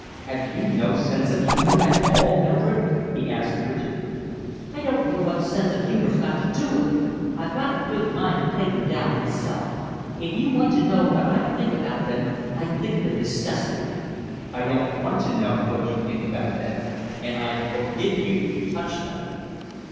"Have you no sense of humour at all, Mildred?" he asked frigidly. "I don't know what sense of humour's got to do with it. I've got a good mind to take them down myself. If you want to know what I think about them, I think they're disgusting." "I don't want to know what you think about them, and I forbid you to touch them."